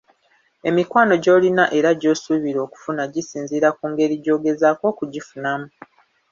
Emikwano gy'olina era gy'osuubira okufuna gisinziira ku ngeri gy'ogezaako okugifunamu.